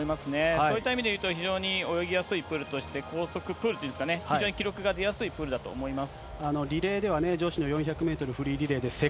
そういった意味で言うと非常に泳ぎやすいプールとして高速プールというんですかね、非常に記録が出やすいプールだと思います。